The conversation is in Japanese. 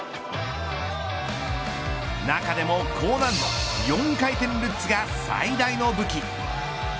中でも高難度４回転ルッツが最大の武器。